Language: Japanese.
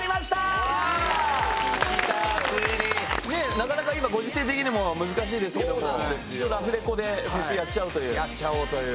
なかなか今ご時世的にも難しいですけどもラフレコでフェスやっちゃおうという。